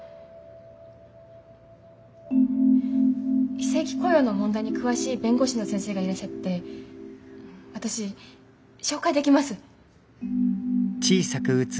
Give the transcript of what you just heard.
非正規雇用の問題に詳しい弁護士の先生がいらっしゃって私紹介できます。